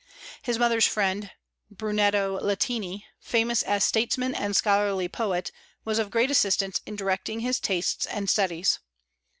His mother's friend, Brunetto Latini, famous as statesman and scholarly poet, was of great assistance in directing his tastes and studies.